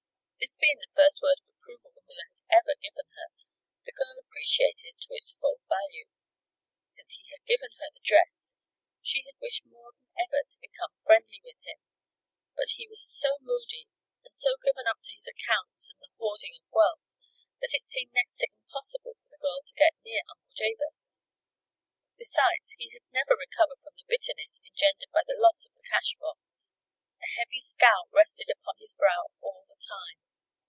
This being the first word of approval the miller had ever given her, the girl appreciated it to its full value. Since he had given her the dress she had wished more than ever to become friendly with him. But he was so moody and so given up to his accounts and the hoarding of wealth, that it seemed next to impossible for the girl to get near Uncle Jabez. Besides, he had never recovered from the bitterness engendered by the loss of the cash box. A heavy scowl rested upon his brow all the time.